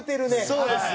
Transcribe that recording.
そうですね！